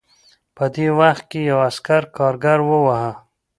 په دې وخت کې یو عسکر کارګر وواهه